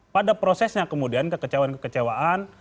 pada prosesnya kemudian kekecewaan kekecewaan